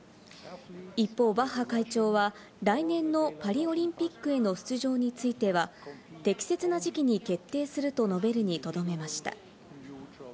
一方、バッハ会長は来年のパリオリンピックへの出場については、適切な時期に決定すると述べるにとどめました。